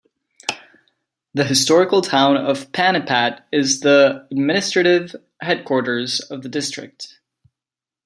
The historical town of Panipat is the administrative headquarters of the district.